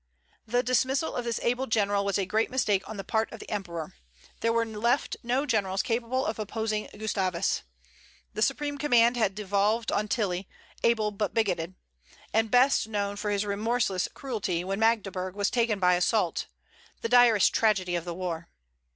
The dismissal of this able general was a great mistake on the part of the Emperor. There were left no generals capable of opposing Gustavus. The supreme command had devolved on Tilly, able but bigoted, and best known for his remorseless cruelty when Magdeburg was taken by assault, the direst tragedy of the war.